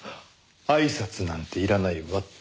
あいさつなんていらないわって。